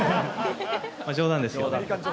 冗談ですけど。